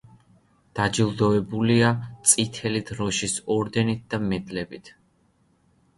დაჯილდოებულია წითელი დროშის ორდენით და მედლებით.